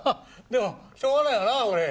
でもしょうがないよなこれ。